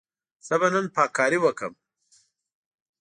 زه به نن پاککاري وکړم.